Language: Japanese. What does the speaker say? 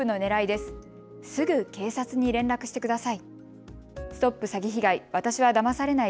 すぐ警察に連絡してください。